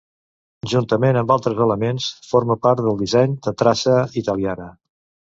Juntament amb altres elements, forma part del disseny de traça italiana.